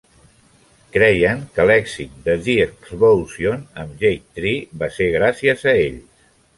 Creien que l'èxit de "The Explosion" amb Jade Tree va ser gràcies a ells.